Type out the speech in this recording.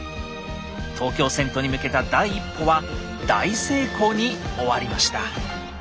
東京遷都に向けた第１歩は大成功に終わりました。